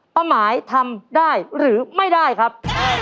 ป้าหมายทำได้หรือไม่ได้ครับ